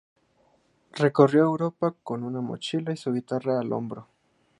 Recorrió Europa con una mochila y su guitarra al hombro.